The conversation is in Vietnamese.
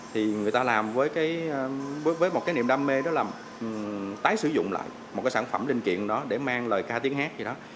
thì người ta làm với một cái niệm đam mê đó là tái sử dụng lại một cái sản phẩm linh kiện đó để mang lời ca tiếng hát gì đó